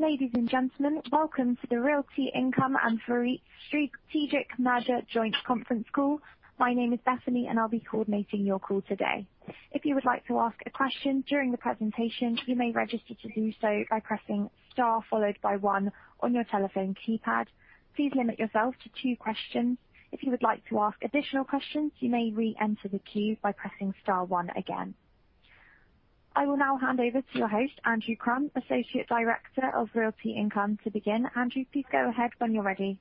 Ladies and gentlemen, welcome to the Realty Income and VEREIT strategic merger joint conference call. My name is Bethany, and I'll be coordinating your call today. If you would like to ask a question during the presentation, you may register to do so by pressing star followed by one on your telephone keypad. Please limit yourself to two questions. If you would like to ask additional questions, you may reenter the queue by pressing star one again. I will now hand over to your host, Andrew Crump, Associate Director of Realty Income to begin. Andrew, please go ahead when you're ready.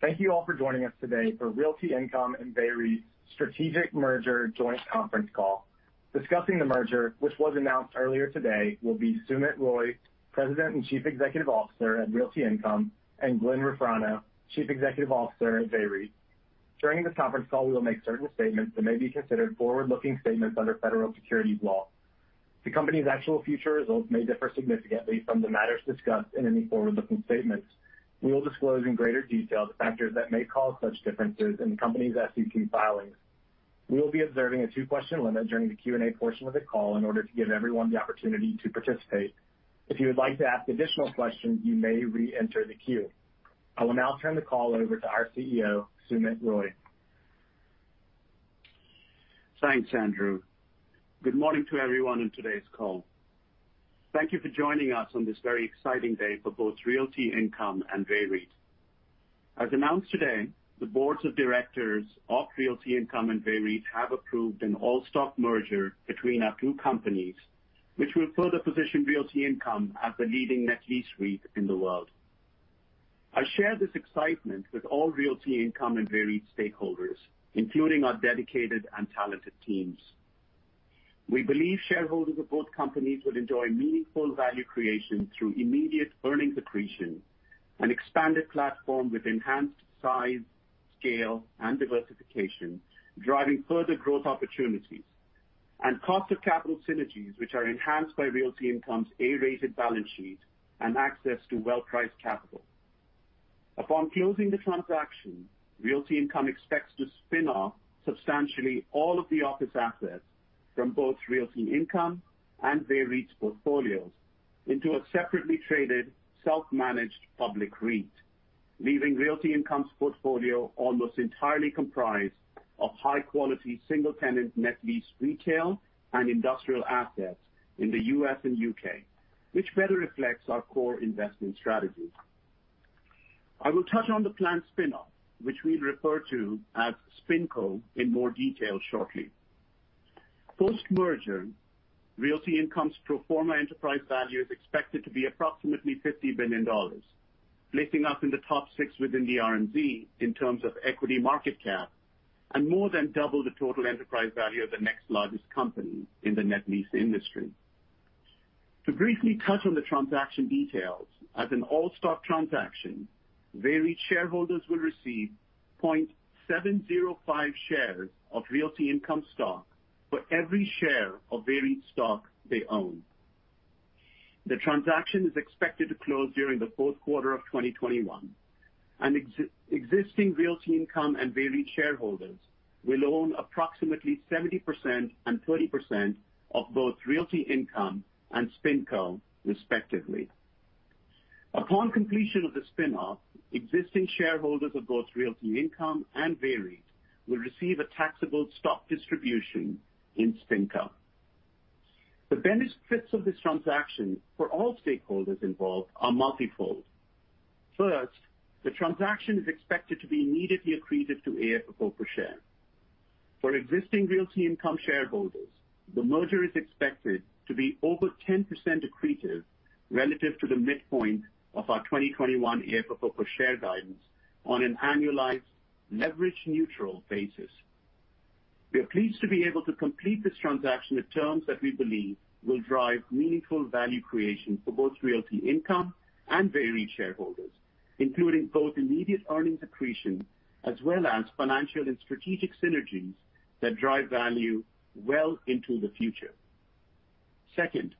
Thank you all for joining us today for Realty Income and VEREIT strategic merger joint conference call. Discussing the merger, which was announced earlier today, will be Sumit Roy, President and Chief Executive Officer at Realty Income, and Glenn Rufrano, Chief Executive Officer at VEREIT. During this conference call, we will make certain statements that may be considered forward-looking statements under federal securities law. The company's actual future results may differ significantly from the matters discussed in any forward-looking statements. We will disclose in greater detail the factors that may cause such differences in the company's SEC filings. We will be observing a two-question limit during the Q&A portion of the call in order to give everyone the opportunity to participate. If you would like to ask additional questions, you may reenter the queue. I will now turn the call over to our CEO, Sumit Roy. Thanks, Andrew. Good morning to everyone on today's call. Thank you for joining us on this very exciting day for both Realty Income and VEREIT. As announced today, the boards of directors of Realty Income and VEREIT have approved an all-stock merger between our two companies, which will further position Realty Income as the leading net lease REIT in the world. I share this excitement with all Realty Income and VEREIT stakeholders, including our dedicated and talented teams. We believe shareholders of both companies will enjoy meaningful value creation through immediate earning accretion, an expanded platform with enhanced size, scale and diversification, driving further growth opportunities, and cost of capital synergies which are enhanced by Realty Income's A-rated balance sheet and access to well-priced capital. Upon closing the transaction, Realty Income expects to spin off substantially all of the office assets from both Realty Income and VEREIT's portfolios into a separately traded, self-managed public REIT, leaving Realty Income's portfolio almost entirely comprised of high-quality, single-tenant net lease retail and industrial assets in the U.S. and U.K., which better reflects our core investment strategy. I will touch on the planned spin-off, which we'll refer to as SpinCo, in more detail shortly. Post-merger, Realty Income's pro forma enterprise value is expected to be approximately $50 billion, placing us in the top six within the RMZ in terms of equity market cap, and more than double the total enterprise value of the next largest company in the net lease industry. To briefly touch on the transaction details, as an all-stock transaction, VEREIT shareholders will receive 0.705 shares of Realty Income stock for every share of VEREIT stock they own. Existing Realty Income and VEREIT shareholders will own approximately 70% and 30% of both Realty Income and SpinCo respectively. Upon completion of the spin-off, existing shareholders of both Realty Income and VEREIT will receive a taxable stock distribution in SpinCo. The benefits of this transaction for all stakeholders involved are multifold. First, the transaction is expected to be immediately accretive to AFFO per share. For existing Realty Income shareholders, the merger is expected to be over 10% accretive relative to the midpoint of our 2021 AFFO per share guidance on an annualized leverage neutral basis. We are pleased to be able to complete this transaction at terms that we believe will drive meaningful value creation for both Realty Income and VEREIT shareholders, including both immediate earning accretion as well as financial and strategic synergies that drive value well into the future. Second,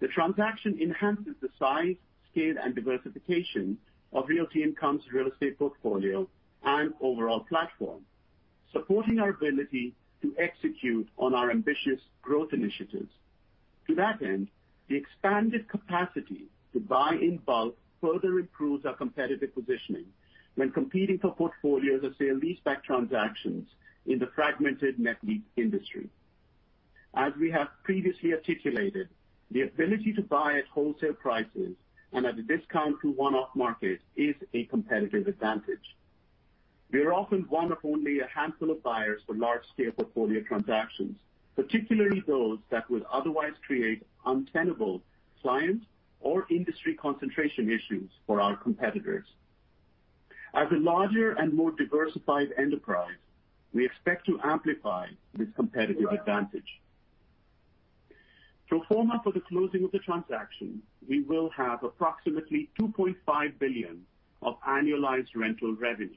the transaction enhances the size, scale and diversification of Realty Income's real estate portfolio and overall platform, supporting our ability to execute on our ambitious growth initiatives. To that end, the expanded capacity to buy in bulk further improves our competitive positioning when competing for portfolios of sale-leaseback transactions in the fragmented net lease industry. As we have previously articulated, the ability to buy at wholesale prices and at a discount to one-off market is a competitive advantage. We are often one of only a handful of buyers for large-scale portfolio transactions, particularly those that would otherwise create untenable client or industry concentration issues for our competitors. As a larger and more diversified enterprise, we expect to amplify this competitive advantage. Pro forma for the closing of the transaction, we will have approximately $2.5 billion of annualized rental revenue.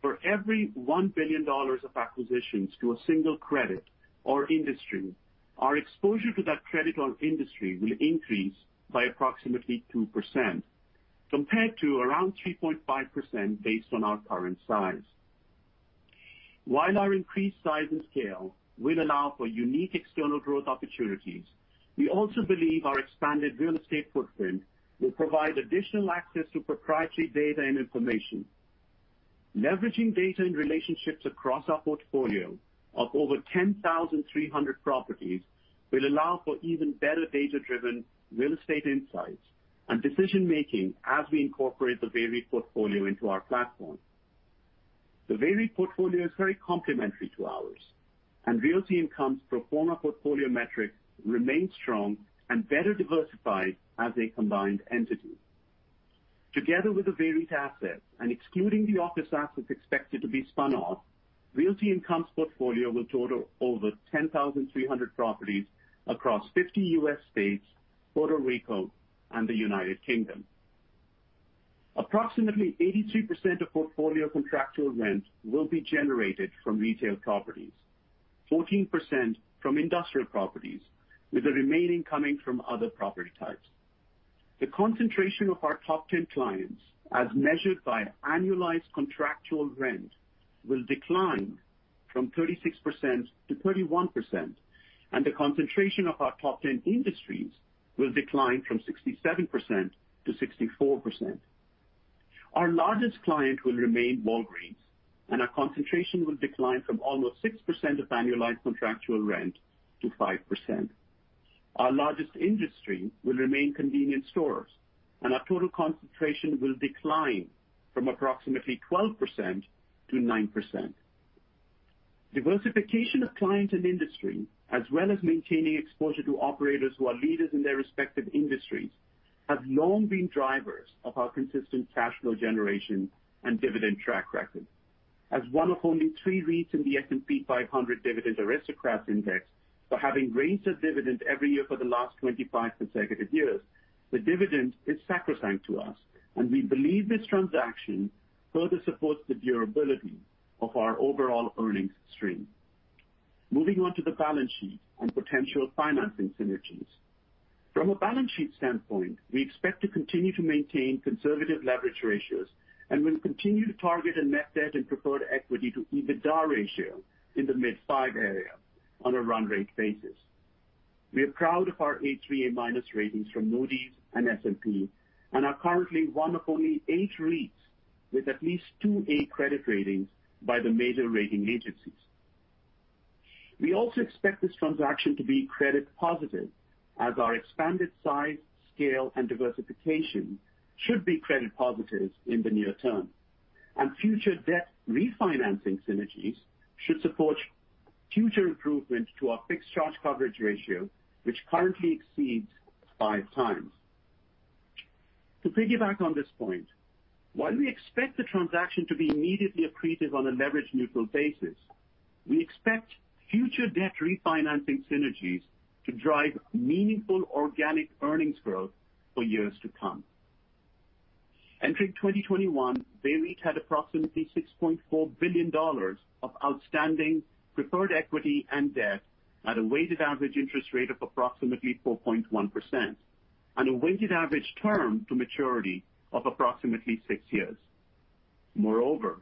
For every $1 billion of acquisitions to a single credit or industry, our exposure to that credit or industry will increase by approximately 2%, compared to around 3.5% based on our current size. While our increased size and scale will allow for unique external growth opportunities, we also believe our expanded real estate footprint will provide additional access to proprietary data and information. Leveraging data and relationships across our portfolio of over 10,300 properties will allow for even better data-driven real estate insights and decision-making as we incorporate the VEREIT portfolio into our platform. The VEREIT portfolio is very complementary to ours, and Realty Income's pro forma portfolio metrics remain strong and better diversified as a combined entity. Together with the VEREIT assets and excluding the office assets expected to be spun off, Realty Income's portfolio will total over 10,300 properties across 50 U.S. states, Puerto Rico, and the United Kingdom. Approximately 82% of portfolio contractual rent will be generated from retail properties, 14% from industrial properties, with the remaining coming from other property types. The concentration of our top 10 clients, as measured by annualized contractual rent, will decline from 36%-31%, and the concentration of our top 10 industries will decline from 67%-64%. Our largest client will remain Walgreens. Our concentration will decline from almost 6% of annualized contractual rent to 5%. Our largest industry will remain convenience stores. Our total concentration will decline from approximately 12% to 9%. Diversification of client and industry, as well as maintaining exposure to operators who are leaders in their respective industries, have long been drivers of our consistent cash flow generation and dividend track record. As one of only three REITs in the S&P 500 Dividend Aristocrats Index for having raised their dividends every year for the last 25 consecutive years, the dividend is sacrosanct to us, and we believe this transaction further supports the durability of our overall earnings stream. Moving on to the balance sheet and potential financing synergies. From a balance sheet standpoint, we expect to continue to maintain conservative leverage ratios and will continue to target a net debt and preferred equity to EBITDA ratio in the mid-5 area on a run rate basis. We are proud of our A3/A- ratings from Moody's and S&P and are currently one of only eight REITs with at least two A credit ratings by the major rating agencies. We also expect this transaction to be credit positive as our expanded size, scale, and diversification should be credit positive in the near term. Future debt refinancing synergies should support future improvement to our fixed charge coverage ratio, which currently exceeds five times. To piggyback on this point, while we expect the transaction to be immediately accretive on a leverage-neutral basis, we expect future debt refinancing synergies to drive meaningful organic earnings growth for years to come. Entering 2021, VEREIT had approximately $6.4 billion of outstanding preferred equity and debt at a weighted average interest rate of approximately 4.1% and a weighted average term to maturity of approximately six years. Moreover,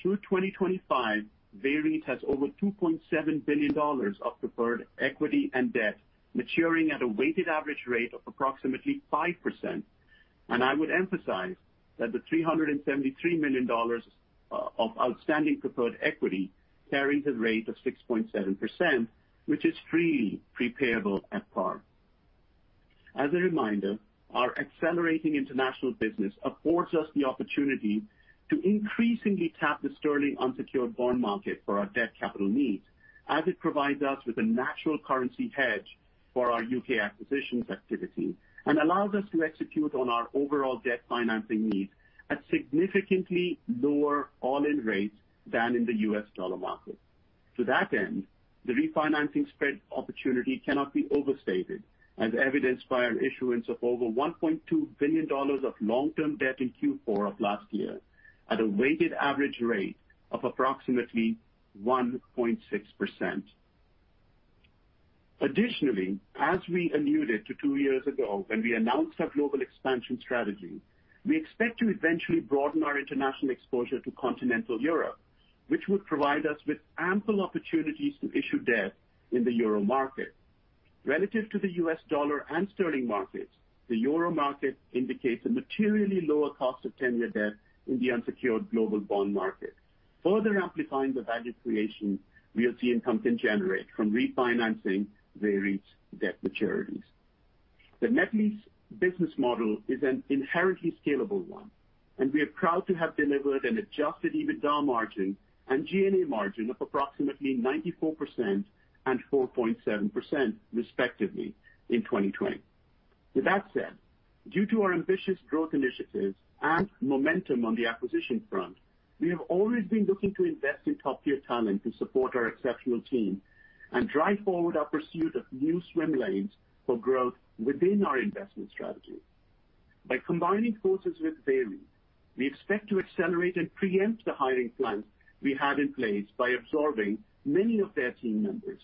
through 2025, VEREIT has over $2.7 billion of preferred equity and debt maturing at a weighted average rate of approximately 5%. I would emphasize that the $373 million of outstanding preferred equity carries a rate of 6.7%, which is freely prepayable at par. As a reminder, our accelerating international business affords us the opportunity to increasingly tap the sterling unsecured bond market for our debt capital needs as it provides us with a natural currency hedge for our U.K. acquisitions activity and allows us to execute on our overall debt financing needs at significantly lower all-in rates than in the U.S. dollar market. To that end, the refinancing spread opportunity cannot be overstated, as evidenced by an issuance of over $1.2 billion of long-term debt in Q4 of last year at a weighted average rate of approximately 1.6%. Additionally, as we alluded to two years ago when we announced our global expansion strategy, we expect to eventually broaden our international exposure to continental Europe, which would provide us with ample opportunities to issue debt in the euro market. Relative to the U.S. dollar and sterling markets, the euro market indicates a materially lower cost of 10-year debt in the unsecured global bond market, further amplifying the value creation Realty Income can generate from refinancing VEREIT's debt maturities. The net lease business model is an inherently scalable one, and we are proud to have delivered an adjusted EBITDA margin and G&A margin of approximately 94% and 4.7%, respectively, in 2020. With that said, due to our ambitious growth initiatives and momentum on the acquisition front, we have always been looking to invest in top-tier talent to support our exceptional team and drive forward our pursuit of new swim lanes for growth within our investment strategy. By combining forces with VEREIT, we expect to accelerate and preempt the hiring plans we had in place by absorbing many of their team members.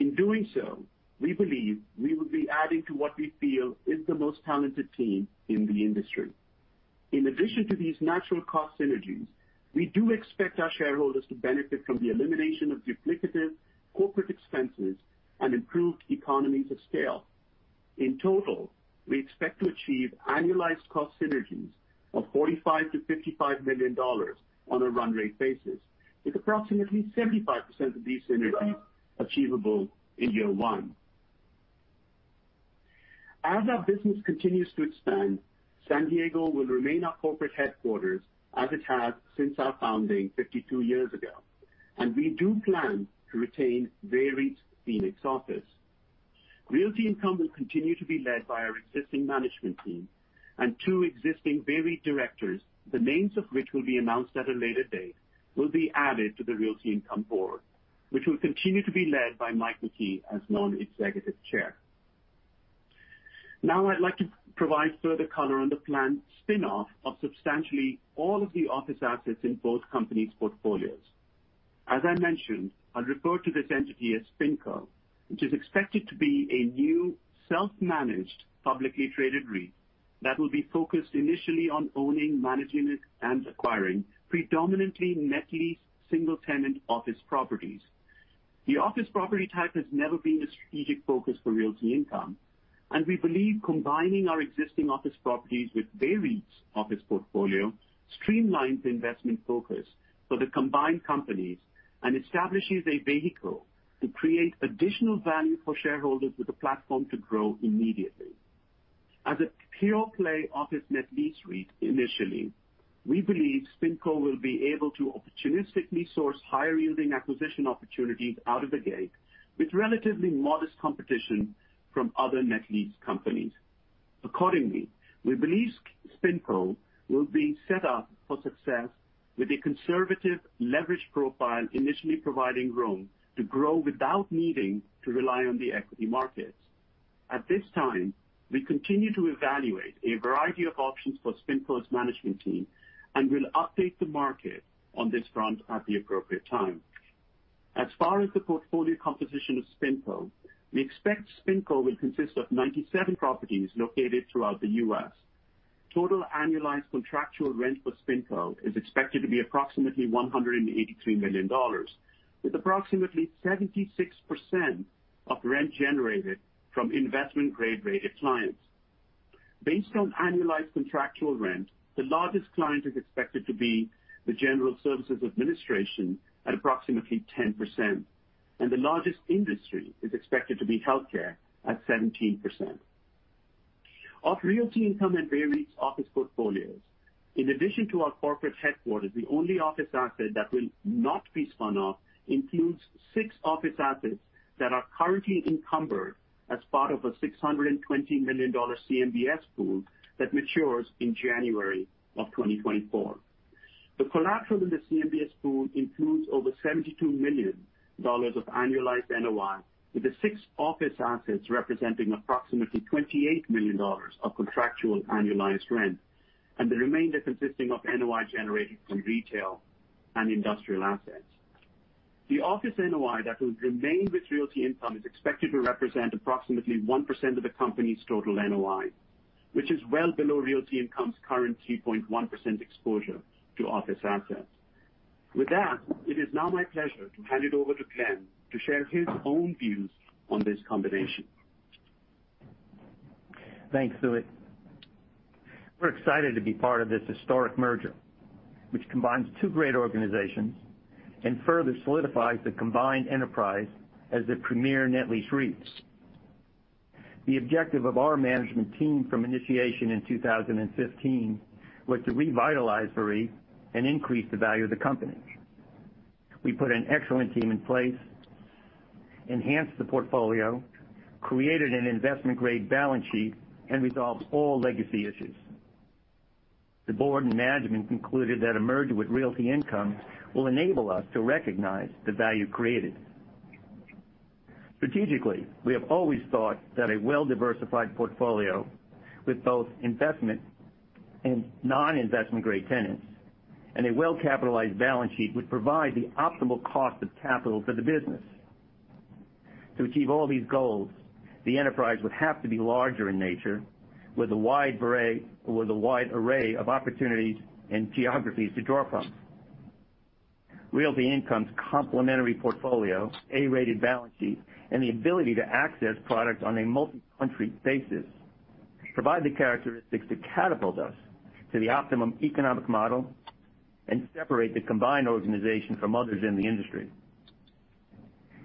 In doing so, we believe we will be adding to what we feel is the most talented team in the industry. In addition to these natural cost synergies, we do expect our shareholders to benefit from the elimination of duplicative corporate expenses and improved economies of scale. In total, we expect to achieve annualized cost synergies of $45 million-$55 million on a run rate basis, with approximately 75% of these synergies achievable in year one. As our business continues to expand, San Diego will remain our corporate headquarters as it has since our founding 52 years ago, and we do plan to retain VEREIT's Phoenix office. Realty Income will continue to be led by our existing management team, and two existing VEREIT directors, the names of which will be announced at a later date, will be added to the Realty Income board, which will continue to be led by Mike McKee as non-executive chair. I'd like to provide further color on the planned spin-off of substantially all of the office assets in both companies' portfolios. As I mentioned, I'll refer to this entity as SpinCo, which is expected to be a new self-managed, publicly traded REIT that will be focused initially on owning, managing, and acquiring predominantly net leased single-tenant office properties. The office property type has never been a strategic focus for Realty Income, and we believe combining our existing office properties with VEREIT's office portfolio streamlines investment focus for the combined companies and establishes a vehicle to create additional value for shareholders with a platform to grow immediately. As a pure play office net lease REIT initially, we believe SpinCo will be able to opportunistically source higher-yielding acquisition opportunities out of the gate with relatively modest competition from other net lease companies. Accordingly, we believe SpinCo will be set up for success with a conservative leverage profile initially providing room to grow without needing to rely on the equity markets. At this time, we continue to evaluate a variety of options for SpinCo's management team and will update the market on this front at the appropriate time. As far as the portfolio composition of SpinCo, we expect SpinCo will consist of 97 properties located throughout the U.S. Total annualized contractual rent for SpinCo is expected to be approximately $183 million, with approximately 76% of rent generated from investment-grade rated clients. Based on annualized contractual rent, the largest client is expected to be the General Services Administration at approximately 10%, and the largest industry is expected to be healthcare at 17%. Of Realty Income and VEREIT's office portfolios, in addition to our corporate headquarters, the only office asset that will not be spun off includes six office assets that are currently encumbered as part of a $620 million CMBS pool that matures in January of 2024. The collateral in the CMBS pool includes over $72 million of annualized NOI, with the six office assets representing approximately $28 million of contractual annualized rent, and the remainder consisting of NOI generated from retail and industrial assets. The office NOI that will remain with Realty Income is expected to represent approximately 1% of the company's total NOI, which is well below Realty Income's current 2.1% exposure to office assets. With that, it is now my pleasure to hand it over to Glenn to share his own views on this combination. Thanks, Sumit. We're excited to be part of this historic merger, which combines two great organizations and further solidifies the combined enterprise as the premier net lease REIT. The objective of our management team from initiation in 2015 was to revitalize VEREIT and increase the value of the company. We put an excellent team in place, enhanced the portfolio, created an investment grade balance sheet, and resolved all legacy issues. The board and management concluded that a merger with Realty Income will enable us to recognize the value created. Strategically, we have always thought that a well-diversified portfolio with both investment and non-investment grade tenants, and a well-capitalized balance sheet would provide the optimal cost of capital for the business. To achieve all these goals, the enterprise would have to be larger in nature with a wide array of opportunities and geographies to draw from. Realty Income's complementary portfolio, A-rated balance sheet, and the ability to access products on a multi-country basis provide the characteristics to catapult us to the optimum economic model and separate the combined organization from others in the industry.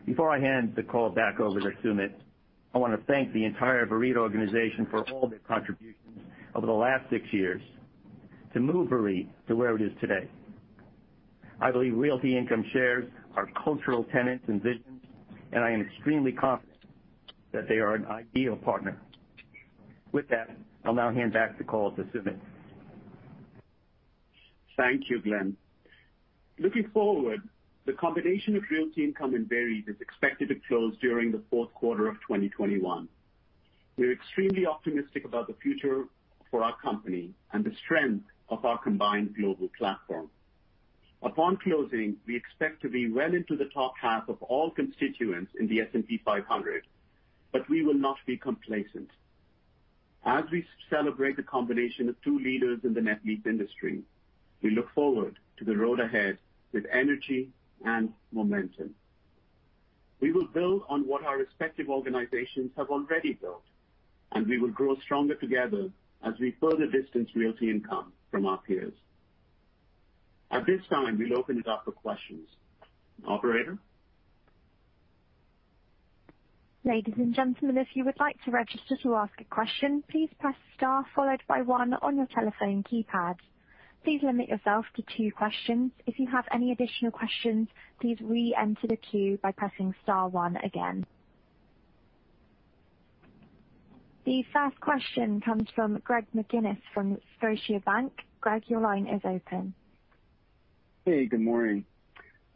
Before I hand the call back over to Sumit, I want to thank the entire VEREIT organization for all their contributions over the last six years to move VEREIT to where it is today. I believe Realty Income shares our cultural tenets and visions, and I am extremely confident that they are an ideal partner. With that, I'll now hand back the call to Sumit. Thank you, Glenn. Looking forward, the combination of Realty Income and VEREIT is expected to close during the fourth quarter of 2021. We're extremely optimistic about the future for our company and the strength of our combined global platform. Upon closing, we expect to be well into the top half of all constituents in the S&P 500. We will not be complacent. As we celebrate the combination of two leaders in the net lease industry, we look forward to the road ahead with energy and momentum. We will build on what our respective organizations have already built, we will grow stronger together as we further distance Realty Income from our peers. At this time, we'll open it up for questions. Operator? Ladies and gentlemen, if you would like to register to ask a question, please press star followed by one on your telephone keypad. Please limit yourself to two questions. If you have any additional questions, please re-enter the queue by pressing star one again. The first question comes from Greg McGinniss from Scotiabank. Greg, your line is open. Hey, good morning.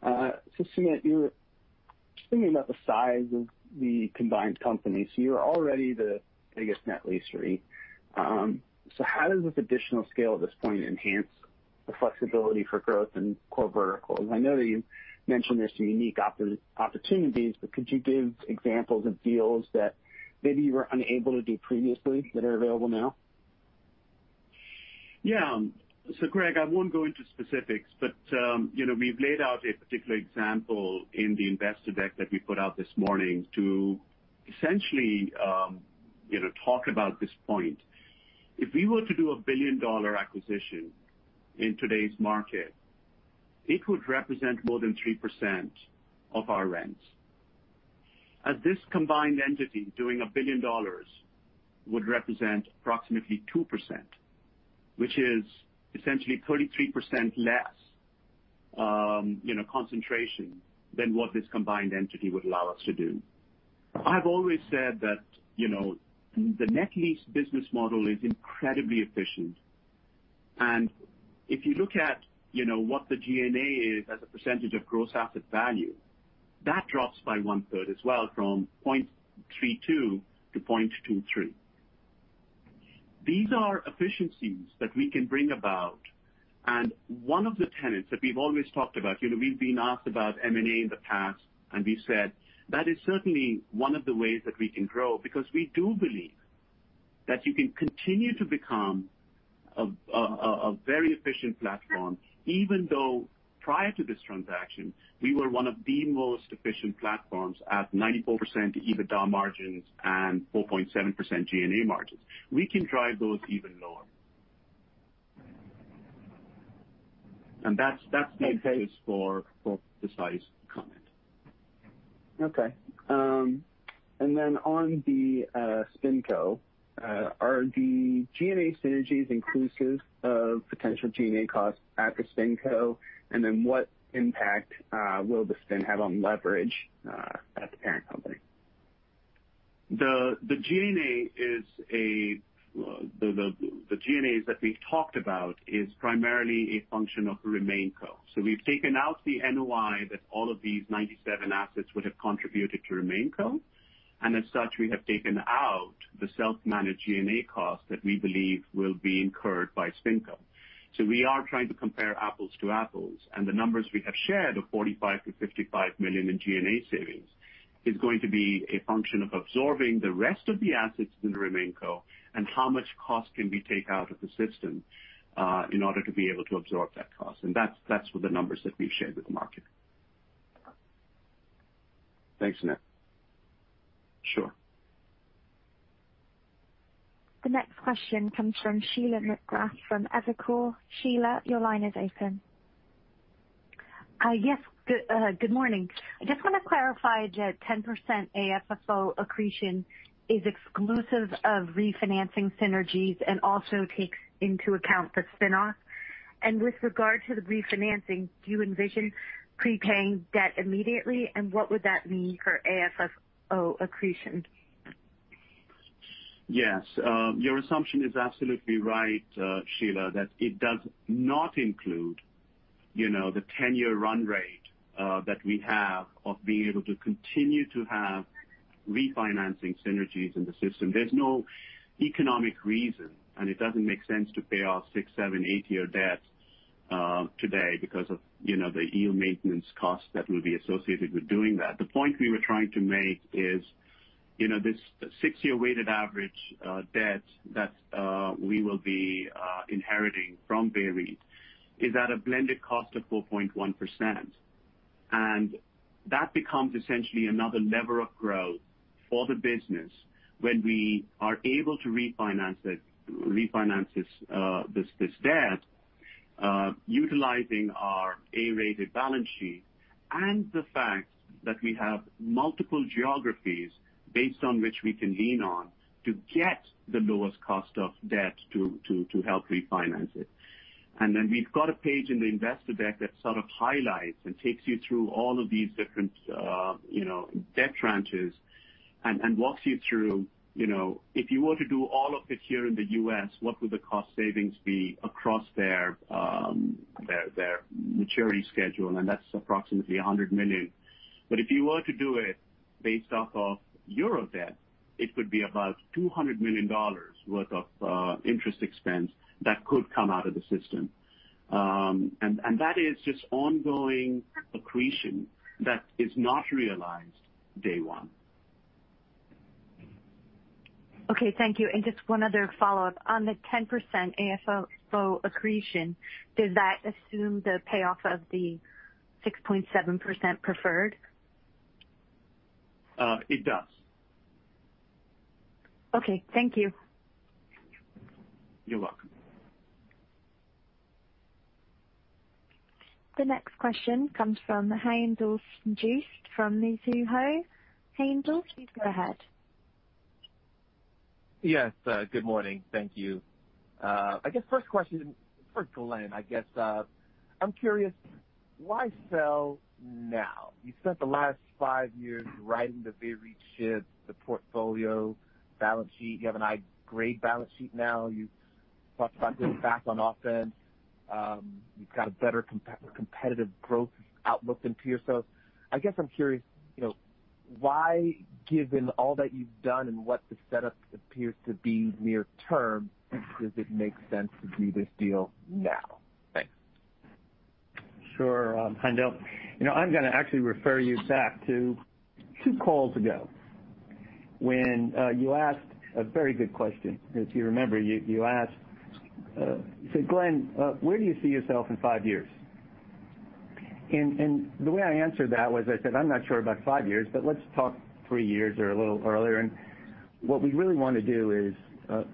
Sumit, you were thinking about the size of the combined company. You're already the biggest net lease REIT. How does this additional scale at this point enhance the flexibility for growth in core verticals? I know that you mentioned there's some unique opportunities, but could you give examples of deals that maybe you were unable to do previously that are available now? Yeah. Greg, I won't go into specifics, but we've laid out a particular example in the investor deck that we put out this morning to essentially talk about this point. If we were to do a billion-dollar acquisition in today's market, it would represent more than 3% of our rent. This combined entity doing $1 billion would represent approximately 2%, which is essentially 33% less concentration than what this combined entity would allow us to do. I've always said that the net lease business model is incredibly efficient. If you look at what the G&A is as a percentage of gross asset value, that drops by one-third as well from 0.32 to 0.23. These are efficiencies that we can bring about. One of the tenets that we've always talked about, we've been asked about M&A in the past, and we said that is certainly one of the ways that we can grow because we do believe that you can continue to become a very efficient platform, even though prior to this transaction, we were one of the most efficient platforms at 94% EBITDA margins and 4.7% G&A margins. We can drive those even lower. That's the case for precise comment. Okay. On the SpinCo, are the G&A synergies inclusive of potential G&A costs at the SpinCo? What impact will the spin have on leverage at the parent company? The G&A that we've talked about is primarily a function of the RemainCo. We've taken out the NOI that all of these 97 assets would have contributed to RemainCo. As such, we have taken out the self-managed G&A cost that we believe will be incurred by SpinCo. We are trying to compare apples to apples, and the numbers we have shared of $45 million-$55 million in G&A savings is going to be a function of absorbing the rest of the assets in the RemainCo and how much cost can we take out of the system in order to be able to absorb that cost. That's with the numbers that we've shared with the market. Thanks, Sumit. Sure. The next question comes from Sheila McGrath from Evercore. Sheila, your line is open. Yes. Good morning. I just want to clarify that 10% AFFO accretion is exclusive of refinancing synergies and also takes into account the spin-off. With regard to the refinancing, do you envision prepaying debt immediately, and what would that mean for AFFO accretion? Yes. Your assumption is absolutely right, Sheila, that it does not include the 10-year run rate that we have of being able to continue to have refinancing synergies in the system. There's no economic reason, and it doesn't make sense to pay off six, seven, eight-year debt today because of the yield maintenance cost that will be associated with doing that. The point we were trying to make is, this six-year weighted average debt that we will be inheriting from VEREIT is at a blended cost of 4.1%. That becomes essentially another lever of growth for the business when we are able to refinance this debt utilizing our A-rated balance sheet and the fact that we have multiple geographies based on which we can lean on to get the lowest cost of debt to help refinance it. Then we've got a page in the investor deck that sort of highlights and takes you through all of these different debt tranches and walks you through if you were to do all of it here in the U.S., what would the cost savings be across their maturity schedule? That's approximately $100 million. If you were to do it based off of Euro debt, it could be about $200 million worth of interest expense that could come out of the system. That is just ongoing accretion that is not realized day one. Okay. Thank you. Just one other follow-up. On the 10% AFFO accretion, does that assume the payoff of the 6.7% preferred? It does. Okay. Thank you. You're welcome. The next question comes from Haendel Juste from Mizuho. Haendel, please go ahead. Yes. Good morning. Thank you. First question for Glenn. I'm curious, why sell now? You've spent the last five years righting the VEREIT ship, the portfolio, balance sheet. You have an investment grade balance sheet now. You've talked about going back on offense. You've got a better competitive growth outlook than peer sales. I'm curious, why, given all that you've done and what the setup appears to be near term, does it make sense to do this deal now? Thanks. Sure, Haendel. I'm going to actually refer you back to two calls ago when you asked a very good question. If you remember, you said, "Glenn, where do you see yourself in five years?" The way I answered that was I said, "I'm not sure about five years, but let's talk three years or a little earlier." What we really want to do is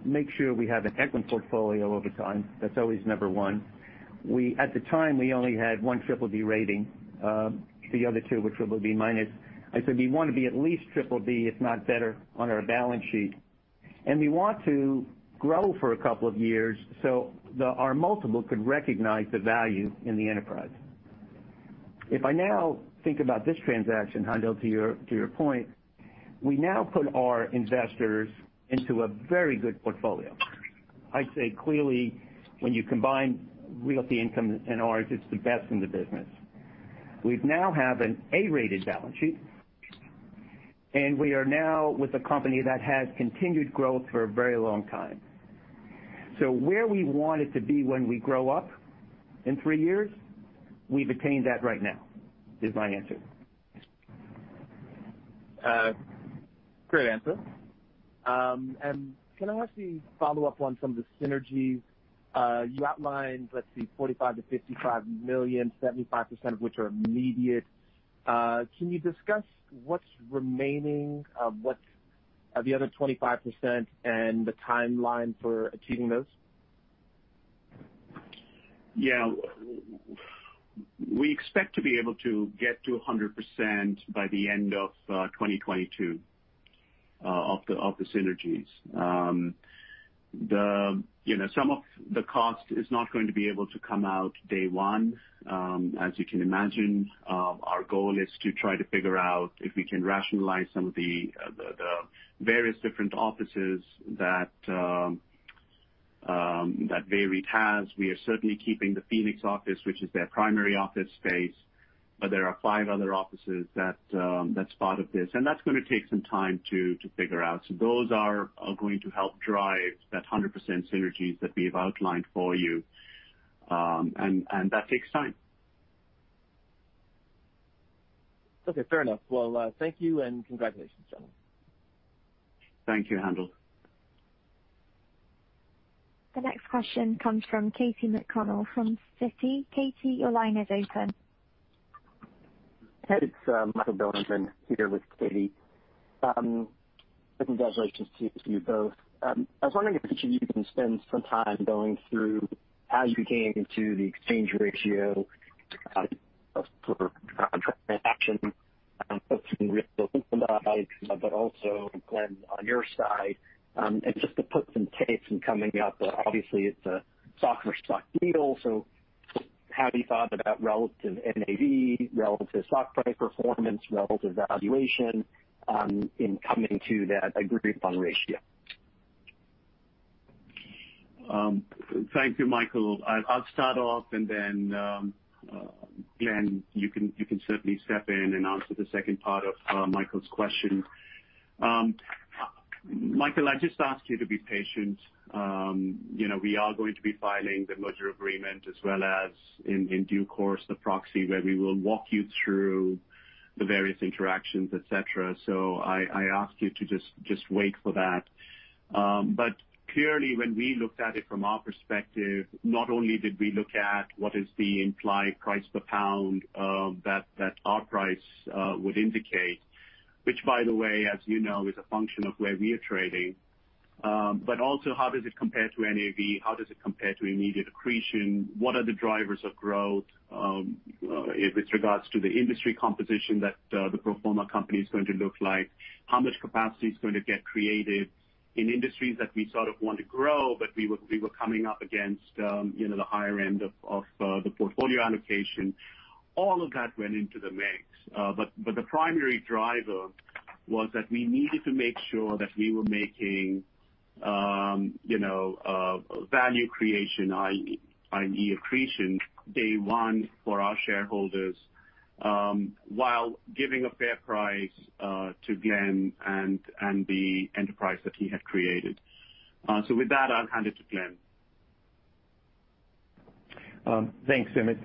make sure we have an excellent portfolio over time. That's always number one. At the time, we only had one BBB rating. The other two were BBB-. I said we want to be at least BBB, if not better, on our balance sheet. We want to grow for a couple of years so our multiple could recognize the value in the enterprise. If I now think about this transaction, Haendel, to your point, we now put our investors into a very good portfolio. I'd say clearly when you combine Realty Income and ours, it's the best in the business. We now have an A-rated balance sheet, and we are now with a company that has continued growth for a very long time. Where we wanted to be when we grow up in three years, we've attained that right now, is my answer. Great answer. Can I ask you follow up on some of the synergies? You outlined, let's see, $45 million-$55 million, 75% of which are immediate. Can you discuss what's remaining of the other 25% and the timeline for achieving those? Yeah. We expect to be able to get to 100% by the end of 2022 of the synergies. Some of the cost is not going to be able to come out day one. As you can imagine, our goal is to try to figure out if we can rationalize some of the various different offices that VEREIT has. We are certainly keeping the Phoenix office, which is their primary office space, but there are five other offices that's part of this, and that's going to take some time to figure out. Those are going to help drive that 100% synergies that we've outlined for you, and that takes time. Okay. Fair enough. Well, thank you, and congratulations, gentlemen. Thank you, Haendel. The next question comes from Katy McConnell from Citi. Katy, your line is open. It's Michael Bilerman here with Katy. Congratulations to you both. I was wondering if each of you can spend some time going through how you came to the exchange ratio for transaction, both from Realty Income side, but also Glenn, on your side. Just to put some dates in coming up, obviously it's a stock-for-stock deal, have you thought about relative NAV, relative stock price performance, relative valuation in coming to that agreed-upon ratio? Thank you, Michael. I'll start off and then, Glenn, you can certainly step in and answer the second part of Michael's question. Michael, I just ask you to be patient. We are going to be filing the merger agreement as well as, in due course, the proxy, where we will walk you through the various interactions, et cetera. I ask you to just wait for that. Clearly, when we looked at it from our perspective, not only did we look at what is the implied price per pound that our price would indicate, which by the way, as you know, is a function of where we are trading. Also, how does it compare to NAV? How does it compare to immediate accretion? What are the drivers of growth with regards to the industry composition that the pro forma company is going to look like? How much capacity is going to get created in industries that we sort of want to grow, but we were coming up against the higher end of the portfolio allocation. All of that went into the mix. The primary driver was that we needed to make sure that we were making value creation, i.e. accretion day one for our shareholders, while giving a fair price to Glenn and the enterprise that he had created. With that, I'll hand it to Glenn. Thanks, Sumit.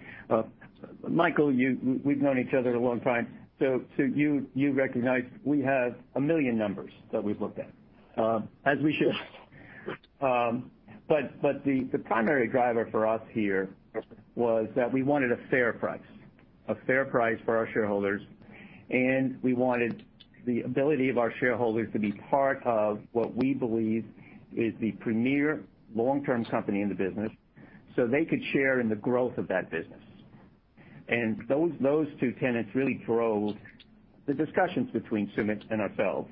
Michael, we've known each other a long time, so you recognize we have 1 million numbers that we've looked at, as we should. The primary driver for us here was that we wanted a fair price. A fair price for our shareholders, and we wanted the ability of our shareholders to be part of what we believe is the premier long-term company in the business so they could share in the growth of that business. Those two tenets really drove the discussions between Sumit and ourselves.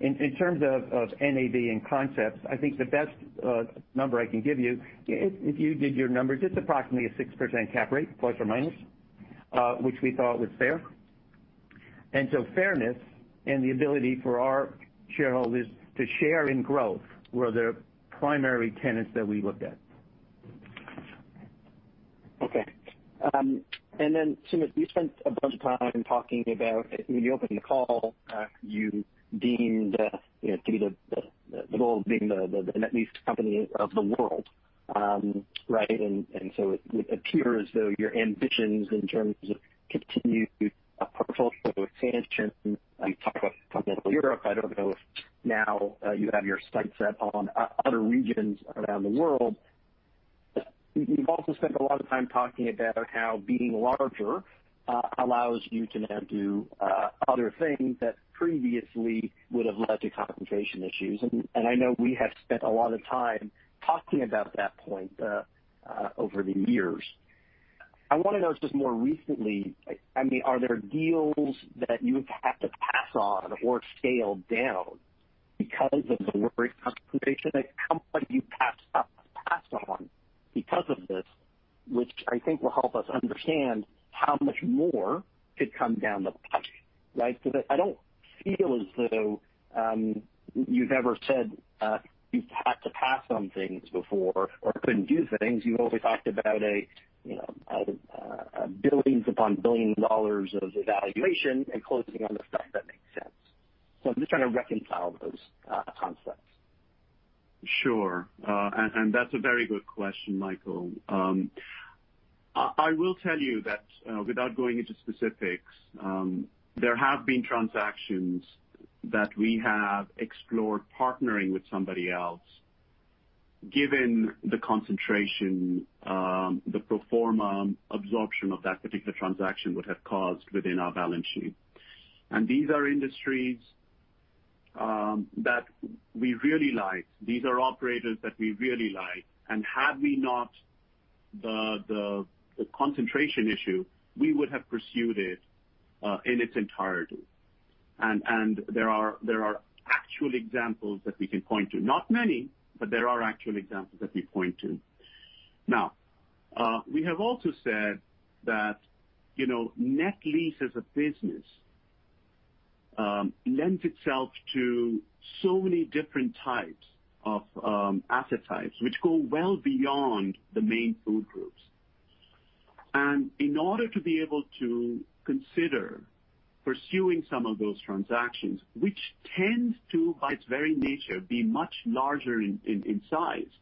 In terms of NAV and concepts, I think the best number I can give you, if you did your numbers, it's approximately a 6% cap rate, plus or minus, which we thought was fair. Fairness and the ability for our shareholders to share in growth were the primary tenets that we looked at. Then Sumit, you spent a bunch of time talking about when you opened the call, you deemed the goal of being the net lease company of the world. Right? It would appear as though your ambitions in terms of continued portfolio expansion, and you talked about Europe, I don't know if now you have your sights set on other regions around the world. You've also spent a lot of time talking about how being larger allows you to now do other things that previously would have led to concentration issues. I know we have spent a lot of time talking about that point over the years. I want to know, just more recently, are there deals that you've had to pass on or scale down because of the worry concentration? How many have you passed on because of this, which I think will help us understand how much more could come down the pipe. Right? I don't feel as though you've ever said you've had to pass on things before or couldn't do things. You've only talked about billions upon billions of dollars of evaluation and closing on the stuff that makes sense. I'm just trying to reconcile those concepts. Sure. That's a very good question, Michael. I will tell you that, without going into specifics, there have been transactions that we have explored partnering with somebody else, given the concentration the pro forma absorption of that particular transaction would have caused within our balance sheet. These are industries that we really like. These are operators that we really like. Had we not the concentration issue, we would have pursued it in its entirety. There are actual examples that we can point to. Not many, but there are actual examples that we point to. We have also said that net lease as a business lends itself to so many different types of asset types, which go well beyond the main food groups. In order to be able to consider pursuing some of those transactions, which tend to, by its very nature, be much larger in size,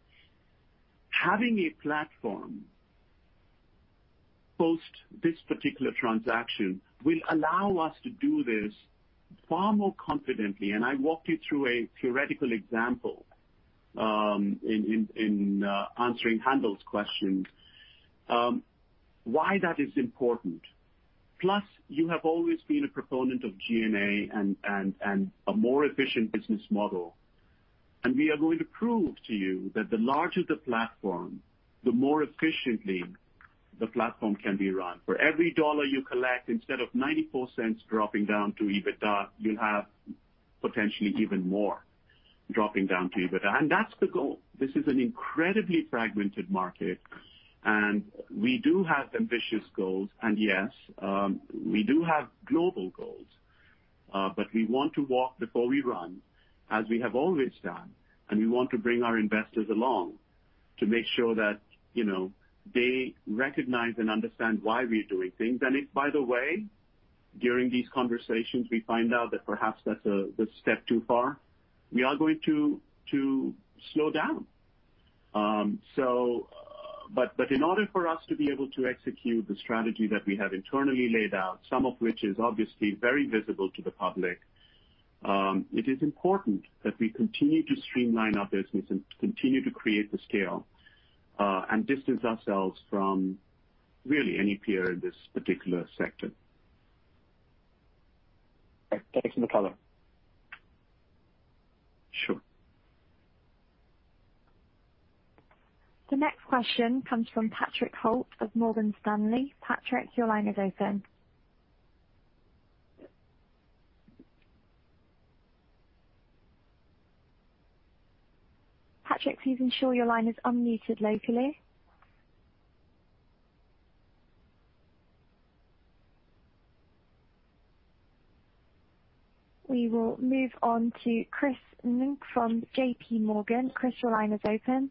having a platform post this particular transaction will allow us to do this far more confidently. I walked you through a theoretical example in answering Haendel's question why that is important. Plus, you have always been a proponent of G&A and a more efficient business model. We are going to prove to you that the larger the platform, the more efficiently the platform can be run. For every dollar you collect, instead of $0.94 dropping down to EBITDA, you'll have potentially even more dropping down to EBITDA. That's the goal. This is an incredibly fragmented market, and we do have ambitious goals. Yes, we do have global goals. We want to walk before we run, as we have always done. We want to bring our investors along to make sure that they recognize and understand why we are doing things. If, by the way, during these conversations, we find out that perhaps that's a step too far, we are going to slow down. In order for us to be able to execute the strategy that we have internally laid out, some of which is obviously very visible to the public, it is important that we continue to streamline our business and continue to create the scale, and distance ourselves from really any peer in this particular sector. Thanks for the color. Sure. The next question comes from Patrick Holt of Morgan Stanley. Patrick, your line is open. Patrick, please ensure your line is unmuted locally. We will move on to Chris Ng from J.P. Morgan. Chris, your line is open.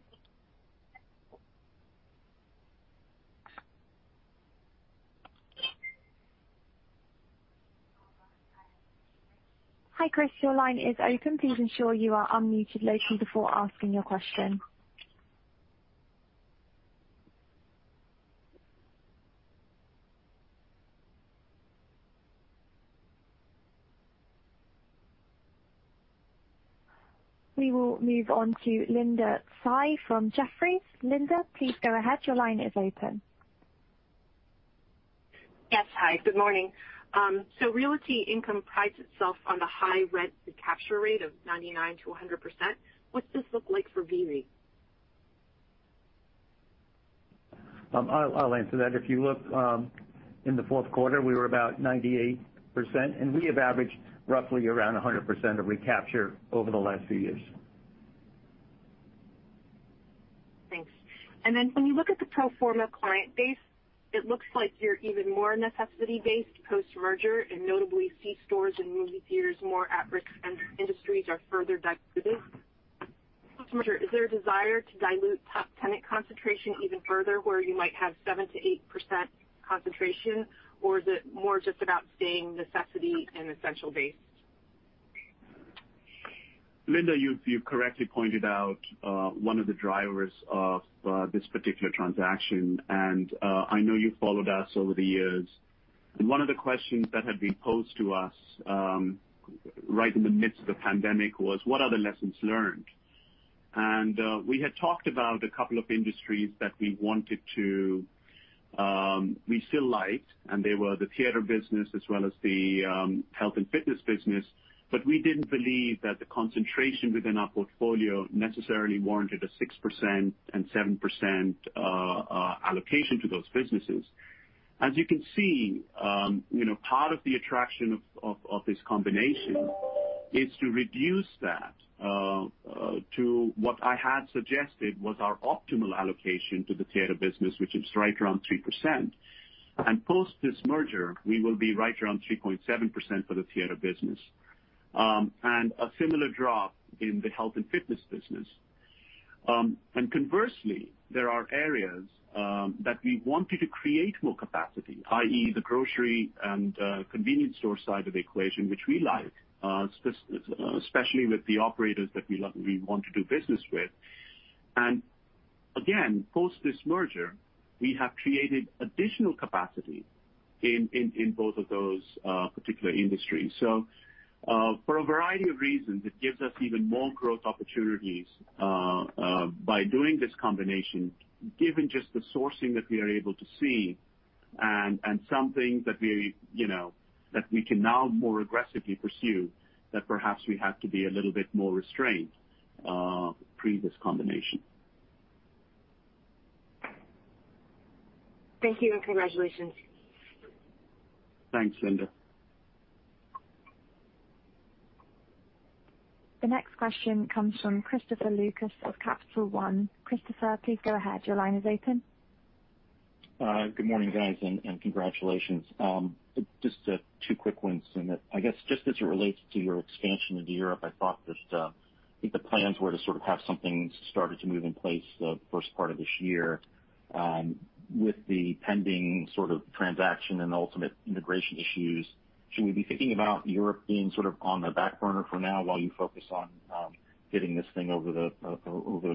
Hi, Chris. Your line is open. Please ensure you are unmuted locally before asking your question. We will move on to Linda Tsai from Jefferies. Linda, please go ahead. Your line is open. Yes. Hi, good morning. Realty Income prides itself on the high rent recapture rate of 99%-100%. What's this look like for VEREIT? I'll answer that. If you look, in the fourth quarter, we were about 98%, and we have averaged roughly around 100% of recapture over the last few years. Thanks. When you look at the pro forma client base, it looks like you're even more necessity-based post-merger, and notably C stores and movie theaters, more at-risk industries are further diluted. Post-merger, is there a desire to dilute top tenant concentration even further where you might have 7%-8% concentration? Or is it more just about staying necessity and essential-based? Linda, you've correctly pointed out one of the drivers of this particular transaction, and I know you've followed us over the years. One of the questions that have been posed to us right in the midst of the pandemic was, what are the lessons learned? We had talked about a couple of industries that we still liked, and they were the theater business as well as the health and fitness business. We didn't believe that the concentration within our portfolio necessarily warranted a 6% and 7% allocation to those businesses. As you can see, part of the attraction of this combination is to reduce that to what I had suggested was our optimal allocation to the theater business, which is right around 3%. Post this merger, we will be right around 3.7% for the theater business. A similar drop in the health and fitness business. Conversely, there are areas that we wanted to create more capacity, i.e., the grocery and convenience store side of the equation, which we like, especially with the operators that we want to do business with. Again, post this merger, we have created additional capacity in both of those particular industries. For a variety of reasons, it gives us even more growth opportunities by doing this combination, given just the sourcing that we are able to see and some things that we can now more aggressively pursue that perhaps we had to be a little bit more restrained pre this combination. Thank you. Congratulations. Thanks, Linda. The next question comes from Christopher Lucas of Capital One. Christopher, please go ahead. Your line is open. Good morning, guys, and congratulations. Just two quick ones. I guess just as it relates to your expansion into Europe, I thought that the plans were to sort of have something started to move in place the first part of this year. With the pending sort of transaction and ultimate integration issues, should we be thinking about Europe being sort of on the back burner for now while you focus on getting this thing over the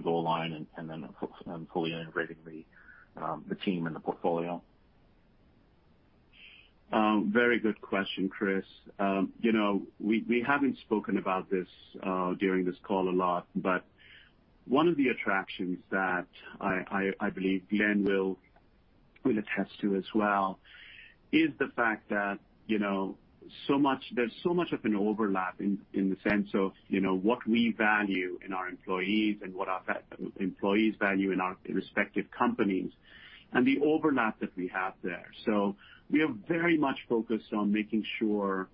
goal line and then fully integrating the team and the portfolio? Very good question, Chris. We haven't spoken about this during this call a lot, but one of the attractions that I believe Glenn will attest to as well is the fact that there's so much of an overlap in the sense of what we value in our employees and what our employees value in our respective companies, and the overlap that we have there. We are very much focused on making sure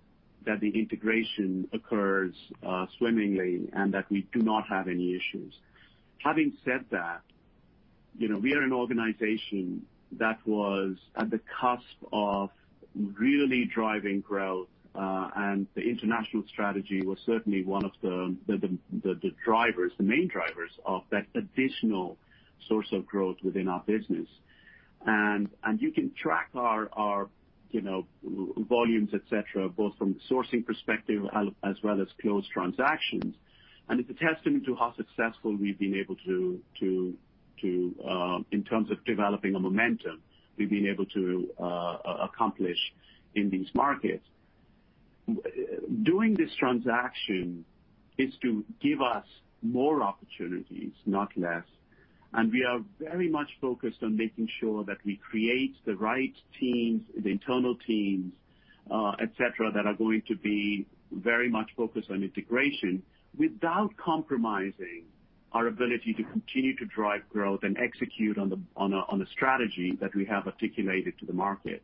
that the integration occurs swimmingly and that we do not have any issues. Having said that, we are an organization that was at the cusp of really driving growth, and the international strategy was certainly one of the main drivers of that additional source of growth within our business. You can track our volumes, et cetera, both from the sourcing perspective as well as closed transactions. It's a testament to how successful we've been able to, in terms of developing a momentum, we've been able to accomplish in these markets. Doing this transaction is to give us more opportunities, not less. We are very much focused on making sure that we create the right teams, the internal teams, et cetera, that are going to be very much focused on integration without compromising our ability to continue to drive growth and execute on a strategy that we have articulated to the market.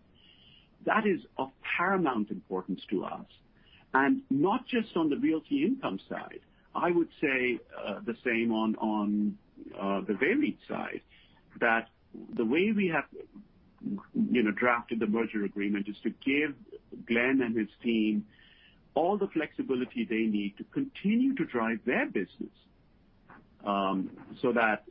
That is of paramount importance to us. Not just on the Realty Income side. I would say the same on the VEREIT side, that the way we have drafted the merger agreement is to give Glenn and his team all the flexibility they need to continue to drive their business, so that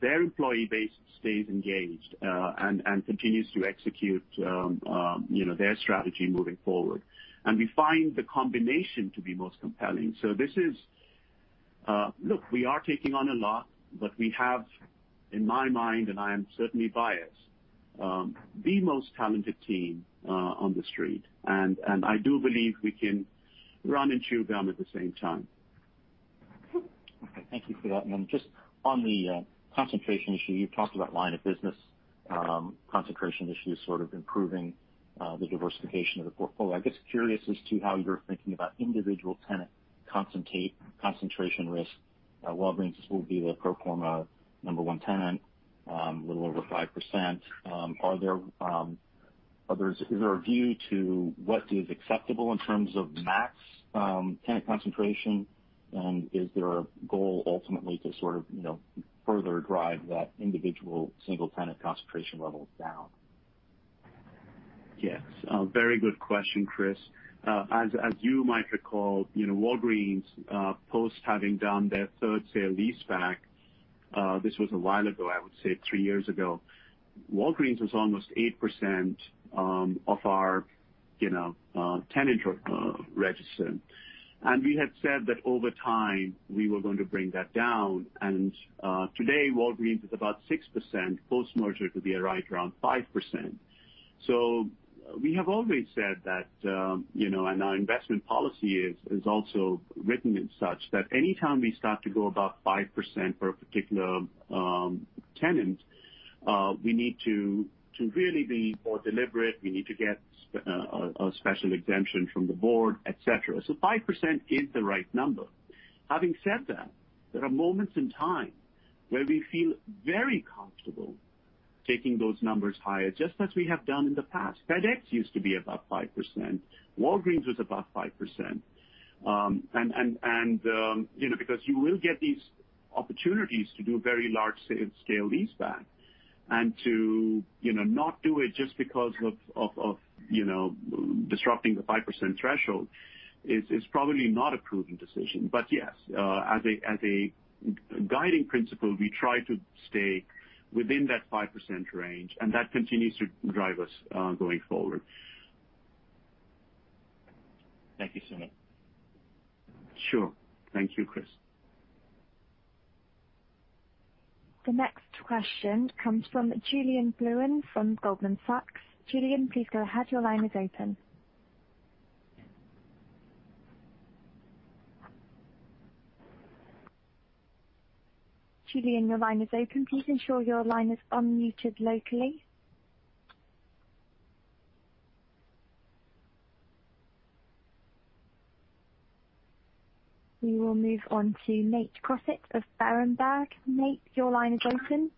their employee base stays engaged, and continues to execute their strategy moving forward. We find the combination to be most compelling. Look, we are taking on a lot, but we have, in my mind, and I am certainly biased, the most talented team on The Street. I do believe we can run and chew gum at the same time. Okay. Thank you for that. Then just on the concentration issue, you talked about line of business concentration issues, sort of improving the diversification of the portfolio. I guess curious as to how you're thinking about individual tenant concentration risk. Walgreens will be the pro forma number 1 tenant, with a little over 5%. Is there a view to what is acceptable in terms of max tenant concentration? Is there a goal ultimately to sort of further drive that individual single-tenant concentration levels down? Yes. Very good question, Chris. As you might recall, Walgreens, post having done their third sale-leaseback, this was a while ago, I would say three years ago. Walgreens was almost 8% of our tenant register. We had said that over time, we were going to bring that down. Today, Walgreens is about 6%. Post-merger it will be right around 5%. We have always said that, and our investment policy is also written as such, that anytime we start to go above 5% for a particular tenant, we need to really be more deliberate. We need to get a special exemption from the board, et cetera. 5% is the right number. Having said that, there are moments in time where we feel very comfortable taking those numbers higher, just as we have done in the past. FedEx used to be above 5%. Walgreens was above 5%. Because you will get these opportunities to do very large scale lease back and to not do it just because of disrupting the 5% threshold is probably not a prudent decision. Yes, as a guiding principle, we try to stay within that 5% range, and that continues to drive us going forward. Thank you, Sumit. Sure. Thank you, Chris. The next question comes from Julien Blouin from Goldman Sachs. Julien, please go ahead. Your line is open. Julien, your line is open. Please ensure your line is unmuted locally. We will move on to Nate Crossett of Berenberg. Nate, your line is open.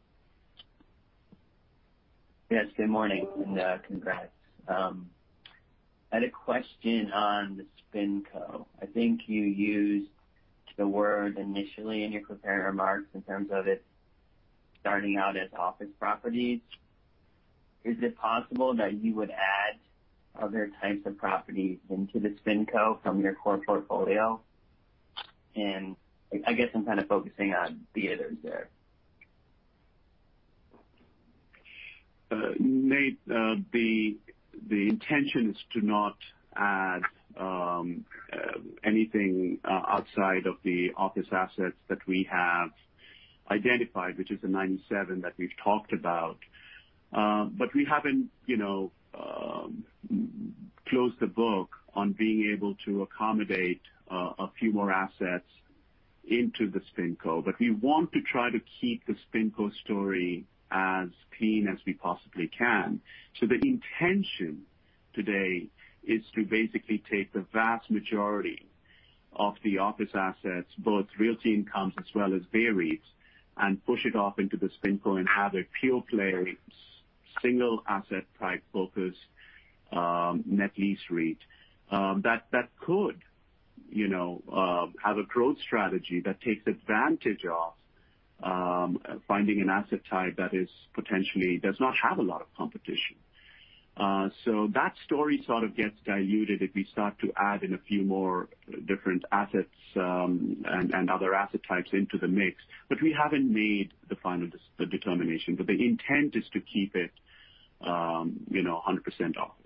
Yes. Good morning, and congrats. I had a question on the SpinCo. I think you used the word initially in your prepared remarks in terms of it starting out as office properties. Is it possible that you would add other types of properties into the SpinCo from your core portfolio? I guess I'm kind of focusing on theaters there. Nate, the intention is to not add anything outside of the office assets that we have identified, which is the 97 that we've talked about. We haven't closed the book on being able to accommodate a few more assets into the SpinCo. We want to try to keep the SpinCo story as clean as we possibly can. The intention today is to basically take the vast majority of the office assets, both Realty Income as well as VEREIT, and push it off into the SpinCo and have a pure play, single asset type focus, net lease REIT. That could have a growth strategy that takes advantage of finding an asset type that potentially does not have a lot of competition. That story sort of gets diluted if we start to add in a few more different assets, and other asset types into the mix. We haven't made the final determination. The intent is to keep it 100% office.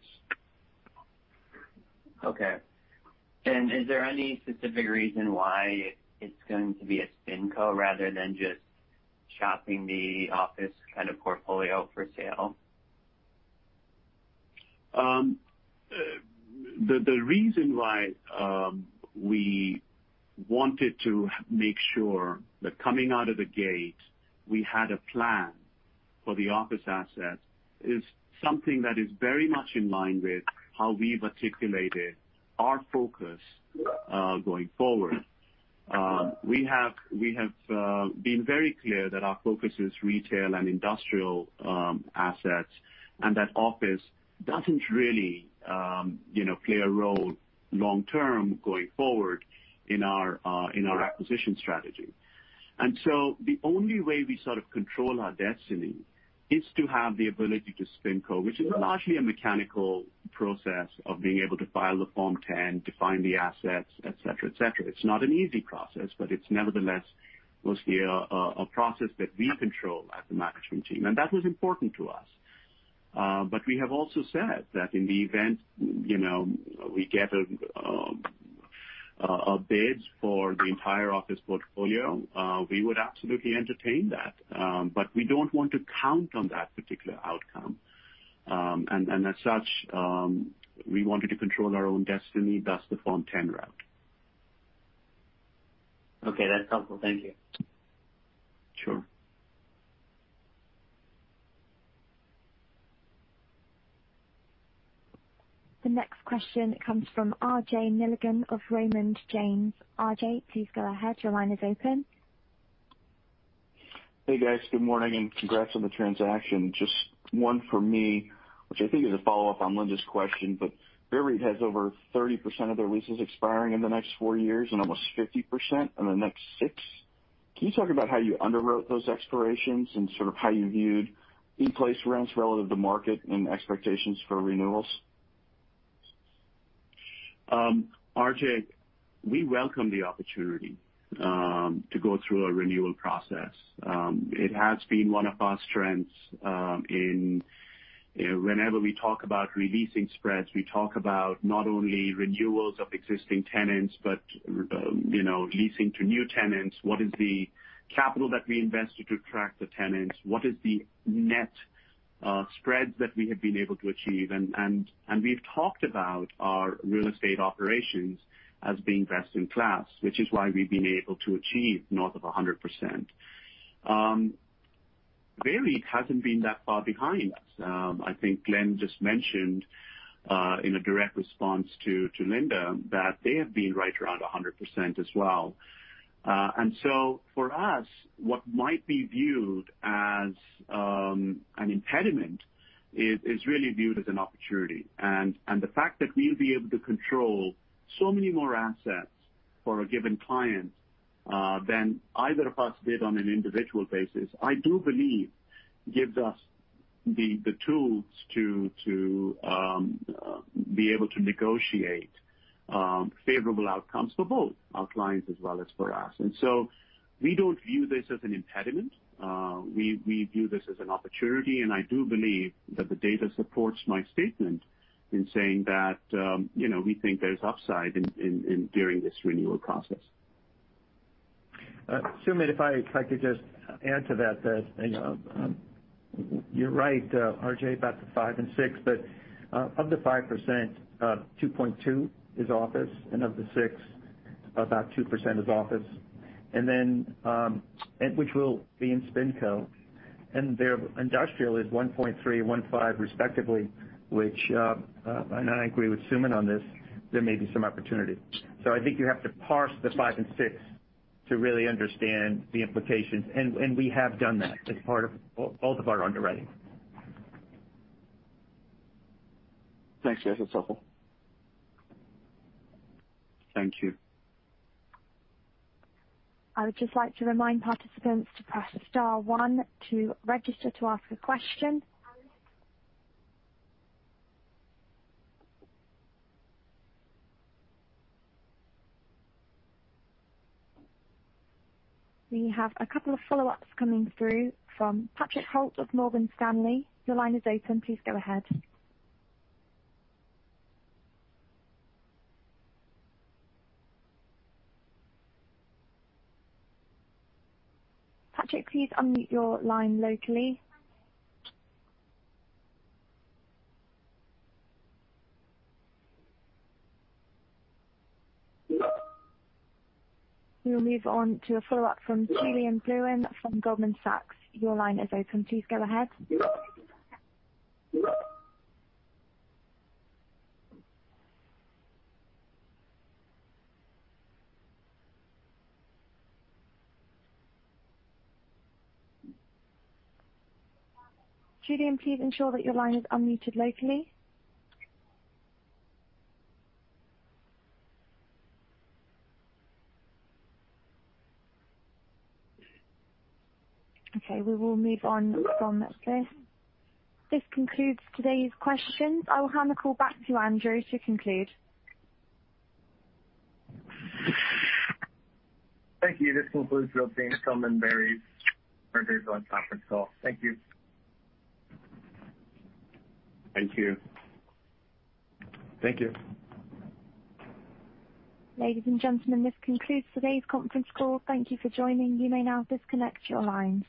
Okay. Is there any specific reason why it's going to be a SpinCo, rather than just shopping the office kind of portfolio for sale? The reason why we wanted to make sure that coming out of the gate, we had a plan for the office assets is something that is very much in line with how we articulated our focus going forward. We have been very clear that our focus is retail and industrial assets, and that office doesn't really play a role long-term going forward in our acquisition strategy. The only way we sort of control our destiny is to have the ability to SpinCo, which is largely a mechanical process of being able to file the Form 10, define the assets, et cetera. It's not an easy process, but it's nevertheless mostly a process that we control as a management team. That was important to us. We have also said that in the event we get a bid for the entire office portfolio, we would absolutely entertain that. We don't want to count on that particular outcome. As such, we wanted to control our own destiny, thus the Form 10 route. Okay. That's helpful. Thank you. Sure. The next question comes from RJ Milligan of Raymond James. RJ, please go ahead. Your line is open. Hey, guys. Good morning, and congrats on the transaction. Just one for me, which I think is a follow-up on Linda's question. VEREIT has over 30% of their leases expiring in the next four years and almost 50% in the next six. Can you talk about how you underwrote those expirations and sort of how you viewed in-place rents relative to market and expectations for renewals? RJ, we welcome the opportunity to go through a renewal process. It has been one of our strengths whenever we talk about re-leasing spreads, we talk about not only renewals of existing tenants, but linking to new tenants. What is the capital that we invested to attract the tenants? What is the net spreads that we have been able to achieve? We've talked about our real estate operations as being best in class, which is why we've been able to achieve north of 100%. VEREIT hasn't been that far behind us. I think Glenn just mentioned, in a direct response to Linda, that they have been right around 100% as well. For us, what might be viewed as an impediment is really viewed as an opportunity. The fact that we'll be able to control so many more assets for a given client than either of us did on an individual basis, I do believe gives us the tools to be able to negotiate favorable outcomes for both our clients as well as for us. We don't view this as an impediment. We view this as an opportunity, and I do believe that the data supports my statement in saying that we think there's upside during this renewal process. Sumit, if I could just add to that. You're right, RJ, about the five and six, but of the 5%, 2.2% is office, and of the six, about 2% is office, which will be in SpinCo. Their industrial is 1.3%, 1.5%, respectively, which, and I agree with Sumit on this, there may be some opportunity. I think you have to parse the five and six to really understand the implications, and we have done that as part of both of our underwriting. Thanks, guys. That's helpful. Thank you. We have a couple of follow-ups coming through from Patrick Holt of Morgan Stanley. Patrick, please unmute your line locally. We'll move on to a follow-up from Julien Blouin from Goldman Sachs. Julien, please ensure that your line is unmuted locally. Okay, we will move on from this. This concludes today's questions. I will hand the call back to Andrew to conclude. Thank you. This concludes Realty Income and VEREIT's merger's conference call. Thank you. Thank you. Thank you. Ladies and gentlemen, this concludes today's conference call. Thank you for joining. You may now disconnect your lines.